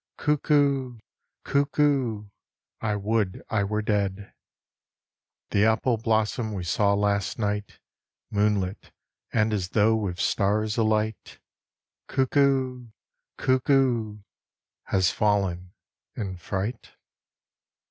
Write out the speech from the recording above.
Cuckoo ! Cuckoo ! I would I were dead ! The apple blossom We saw last night, Moonlit and as though With stars alight, Cuckoo ! Cuckoo ! Has fallen in fright